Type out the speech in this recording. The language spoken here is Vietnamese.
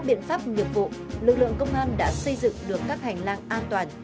biện pháp nghiệp vụ lực lượng công an đã xây dựng được các hành lang an toàn